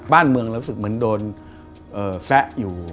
บ้านเมืองเรารู้สึกเหมือนโดนแซะอยู่